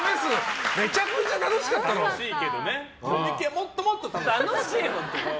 もっともっと楽しい！